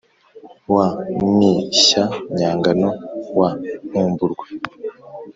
wa mwishya-nyagano wa nkumburwa,